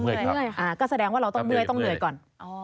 เมื่อยครับก็แสดงว่าเราต้องเมื่อยก็ต้องเหนื่อยก่อน